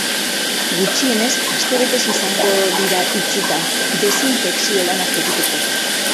Gutxienez astebetez izango dira itxita, desinfekzio-lanak egiteko.